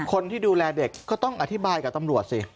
คนที่ดูแลเด็กก็ต้องอธิบายกับตำรวจสิ